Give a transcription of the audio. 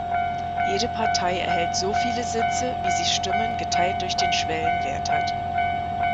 Jede Partei erhält so viele Sitze wie sie Stimmen geteilt durch den Schwellenwert hat.